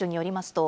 と